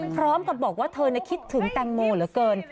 พร้อมกับบอกว่าเธอคิดถึงแตงโมเหลือเกิน